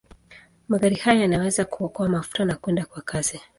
Magari haya yanaweza kuokoa mafuta na kwenda kwa kasi.